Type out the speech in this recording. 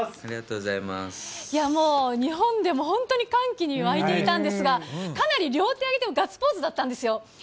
もう日本でも、本当に歓喜に沸いていたんですが、かなり両手を挙げて、ガッツポーズだったんですよ。